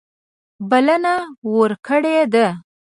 بلنه ورکړې ده.